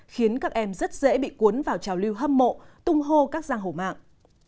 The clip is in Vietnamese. khiến các em rất dễ bị cuốn vào trào lưu hâm mộ tung hô các giang hổ mạng